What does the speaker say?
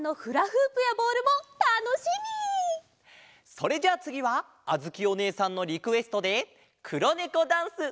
それじゃあつぎはあづきおねえさんのリクエストで「黒ネコダンス」！